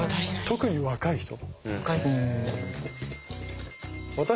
特に若い人。